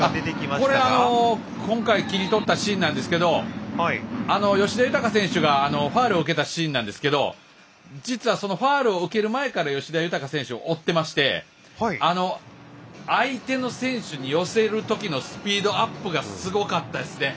これは今回切り取ったシーンなんですけど吉田豊選手がファウルを受けたシーンなんですけど実は、そのファウルを受ける前から吉田豊選手を追っていまして相手の選手に寄せるときのスピードアップがすごかったですね。